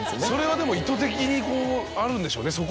それはでも意図的にあるんでしょうね。